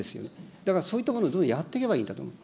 だからそういったものをどんどんやっていけばいいんだと思う。